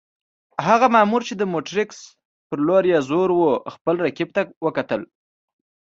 هغه مامور چې د مونټریکس پر لور یې زور وو، خپل رقیب ته وکتل.